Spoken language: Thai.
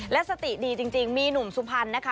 และสติดีจริงมีหนุ่มสุพรรณนะคะ